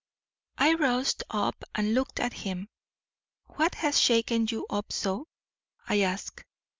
I roused up and looked at him. 'What has shaken you up so?' I asked.